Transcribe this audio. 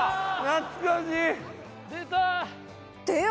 懐かしい！